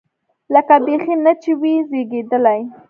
لکه بيخي نه چې وي زېږېدلی.